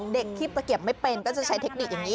เด็กที่ตะเกียบไม่เป็นก็จะใช้เทคนิคอย่างนี้